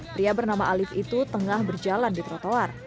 pria bernama alif itu tengah berjalan di trotoar